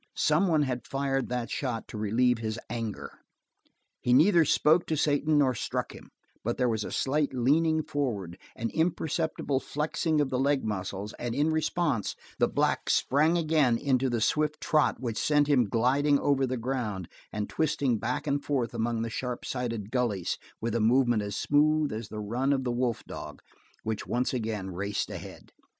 Some one had fired that shot to relieve his anger. He neither spoke to Satan nor struck him, but there was a slight leaning forward, an imperceptible flexing of the leg muscles, and in response the black sprang again into the swift trot which sent him gliding over the ground, and twisting back and forth among the sharp sided gullies with a movement as smooth as the run of the wolf dog, which once again raced ahead.